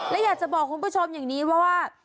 และอยากจะบอกคุณผู้ชมอย่างนี้ว่า